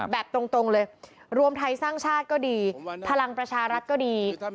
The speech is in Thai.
แบบตรงเลยรวมไทยสร้างชาติก็ดีพลังประชารัฐก็ดี